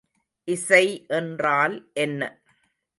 இசை என்றால் என்ன?